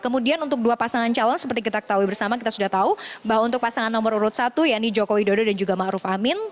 kemudian untuk dua pasangan calon seperti kita ketahui bersama kita sudah tahu bahwa untuk pasangan nomor urut satu ya ini joko widodo dan juga ⁇ maruf ⁇ amin